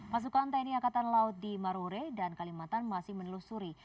pasukan tni angkatan laut di marore dan kalimantan masih menelusuri